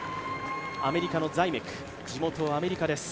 アメリカのザイメク、地元アメリカです。